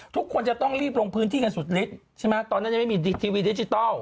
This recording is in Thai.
ทุกคนจะต้องรีบลงพื้นที่กันสุดฤทธิ์ใช่ไหมตอนนั้นยังไม่มีทีวีดิจิทัล